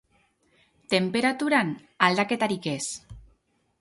Tenperaturan, aldaketarik ez.